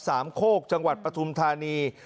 โคกจังหวัดปฐุมธานี